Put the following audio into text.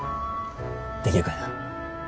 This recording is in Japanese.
できるかいな。